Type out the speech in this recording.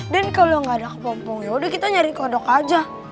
dan kalau gak ada kepompong ya udah kita nyari kodok aja